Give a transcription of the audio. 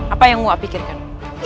apa yang uwak pikirkan